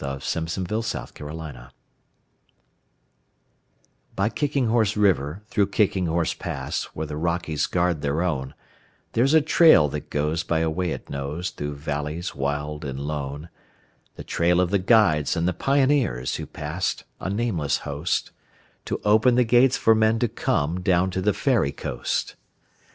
SONG OF THE KICKING HORSE By Kicking Horse River, through Kicking Horse Pass, Where the Rockies guard their own, There's a trail that goes by a way it knows Through valleys wild and lone,— The trail of the guides and the pioneers Who passed—a nameless host— To open the gates for men to come Down to the Fairy Coast.